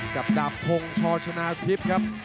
กับดาบทรงชอชนะทริปครับ